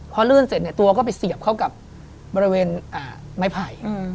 พอลื่นเสร็จเนี่ยตัวก็ไปเสียบเข้ากับบริเวณไม้ไผ่